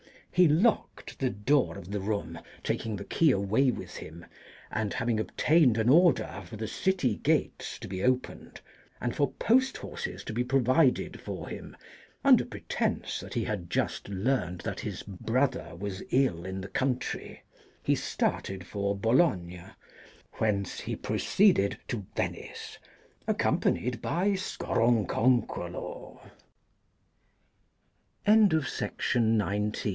He locked the door of the room, taking the key away with him, and having obtained an order for the city gates to be opened, and for post horses to be provided for him, under pretence that he had just learned that his brother was ill, in the country, he started for Bologna, whence he proceeded to Venice, accompanied by Scoronconcolo." 1 Bene